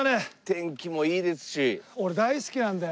天気もいいですし。